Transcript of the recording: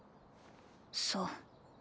そう。